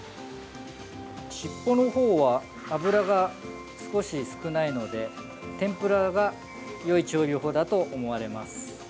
尻尾の方は、脂が少し少ないので天ぷらがよい調理法だと思われます。